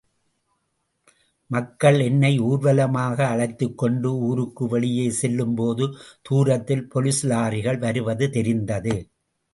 மக்கள் என்னை ஊர்வலமாக அழைத்துக் கொண்டு ஊருக்கு வெளியே செல்லும்போது தூரத்தில் போலீஸ் லாரிகள் வருவது தெரிந்தது.